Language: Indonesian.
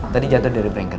tadi jatuh dari pranker